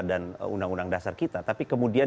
dan undang undang dasar kita tapi kemudian